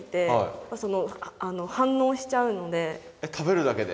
食べるだけで？